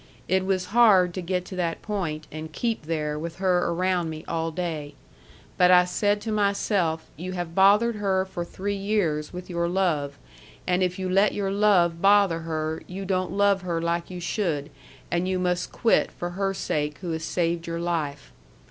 It was hard to get to that point and keep there with her around me all day. But I said to myself you have bothered her for three years with your love and if you let your love bother her you don't love her like you should and you must quit for her sake who has saved your life.